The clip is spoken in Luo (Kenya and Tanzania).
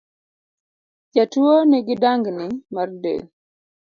Jatuo nigi dangni mar del